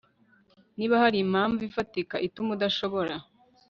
Niba hari impamvu ifatika ituma udashobora